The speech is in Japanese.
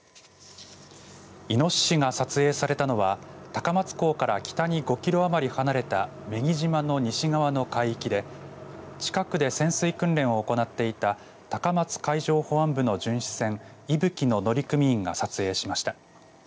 いのししが撮影されたのは高松港から北に５キロ余り離れた女木島の西側の海域で近くで潜水訓練を行っていた高松海上保安部の巡視船いぶきの乗組員が撮影しました。